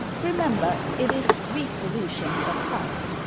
Remember, it is re solution that counts.